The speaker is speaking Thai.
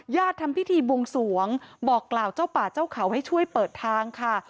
ทำพิธีบวงสวงบอกกล่าวเจ้าป่าเจ้าเขาให้ช่วยเปิดทางค่ะ